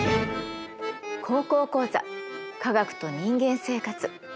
「高校講座科学と人間生活」。